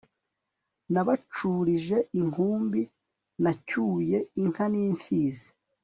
nabaculije inkumbi nacyuye inka nimfizi